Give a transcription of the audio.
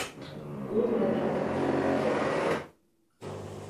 Kódneve Teak.